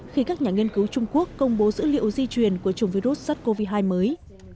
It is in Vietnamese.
khi các nhà nghiên cứu trung quốc công bố dữ liệu di truyền của chủng virus sars cov hai mới